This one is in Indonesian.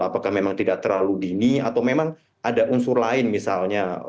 apakah memang tidak terlalu dini atau memang ada unsur lain misalnya